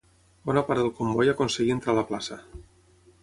Bona part del comboi aconseguir entrar a la plaça.